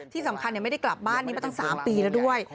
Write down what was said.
ที่สำคัญไม่ได้กลับบ้านนี้มาตั้ง๓ปีแล้วด้วย